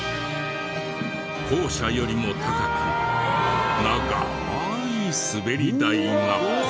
校舎よりも高く長いスベリ台が。